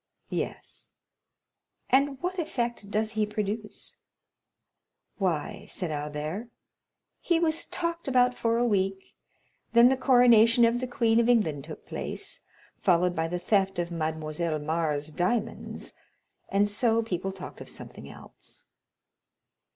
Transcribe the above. "Yes." "And what effect does he produce?" "Why," said Albert, "he was talked about for a week; then the coronation of the queen of England took place, followed by the theft of Mademoiselle Mars's diamonds; and so people talked of something else."